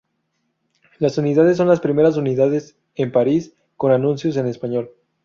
Las unidades son las primeras unidades en París con anuncios en español.